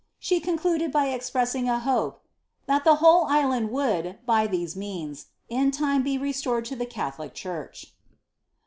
She concluded by expressing a hope he whole island would, by these means, in time be restored to [lolic church."